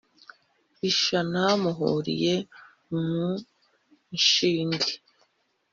inshana muhuriye mu nshinge